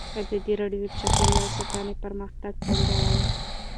ازادي راډیو د چاپیریال ساتنه پرمختګ سنجولی.